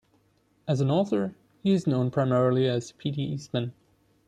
As an author, he is known primarily as P. D. Eastman.